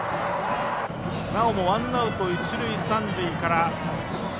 なおもワンアウト一塁三塁から。